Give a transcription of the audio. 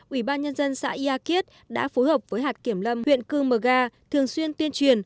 ủy ban nhân dân xã yà kiết đã phối hợp với hạt kiểm lâm huyện cư mờ ga thường xuyên tuyên truyền